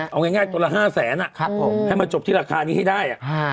เอาง่ายตัวละ๕แสนให้มาจบที่ราคานี้ให้ได้